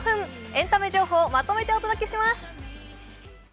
エンタメ情報をまとめてお届けします。